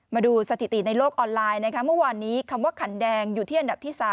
มาดูสถิติในโลกออนไลน์นะคะเมื่อวานนี้คำว่าขันแดงอยู่ที่อันดับที่๓